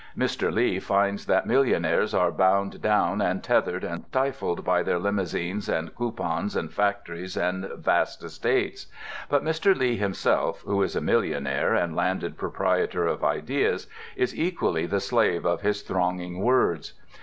Mr. Lee finds that millionaires are bound down and tethered and stifled by their limousines and coupons and factories and vast estates. But Mr. Lee himself, who is a millionaire and landed proprietor of ideas, is equally the slave of his thronging words.